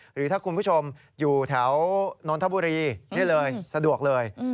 หรือถ้าคุณผู้ชมอยู่แถวนนทบุรีนี่เลยสะดวกเลย